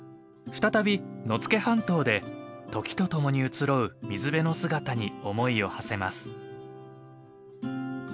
再び野付半島で時とともに移ろう水辺の姿に思いをはせます。